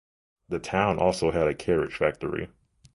The town also had a carriage factory.